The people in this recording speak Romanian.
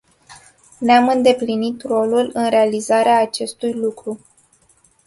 Ne-am îndeplinit rolul în realizarea acestui lucru.